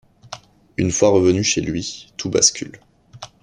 Une fois revenu chez lui, tout bascule.